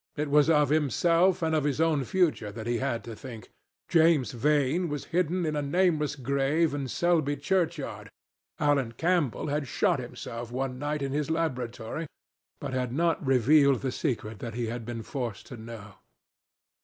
It was of himself, and of his own future, that he had to think. James Vane was hidden in a nameless grave in Selby churchyard. Alan Campbell had shot himself one night in his laboratory, but had not revealed the secret that he had been forced to know.